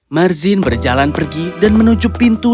marzin berjalan pergi dan menuju pintu